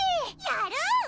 やる！